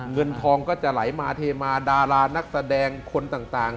เงินทองก็จะไหลมาเทมาดารานักแสดงคนต่าง